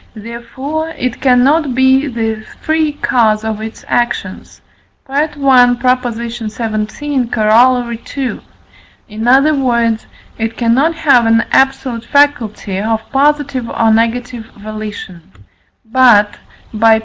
therefore it cannot be the free cause of its actions (I. xvii. Coroll. ii.); in other words, it cannot have an absolute faculty of positive or negative volition; but (by I.